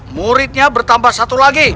muridnya bertambah satu lagi